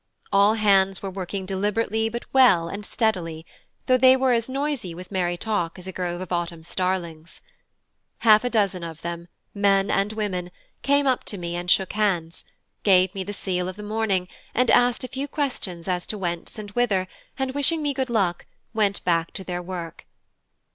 All hands were working deliberately but well and steadily, though they were as noisy with merry talk as a grove of autumn starlings. Half a dozen of them, men and women, came up to me and shook hands, gave me the sele of the morning, and asked a few questions as to whence and whither, and wishing me good luck, went back to their work.